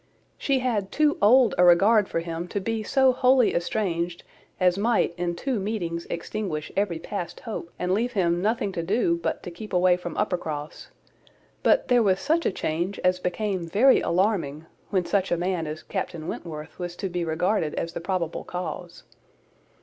She had too old a regard for him to be so wholly estranged as might in two meetings extinguish every past hope, and leave him nothing to do but to keep away from Uppercross: but there was such a change as became very alarming, when such a man as Captain Wentworth was to be regarded as the probable cause.